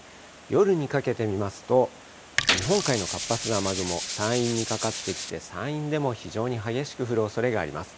夜にかけて見ますと、日本海の活発な雨雲、山陰にかかってきて、山陰でも非常に激しく降るおそれがあります。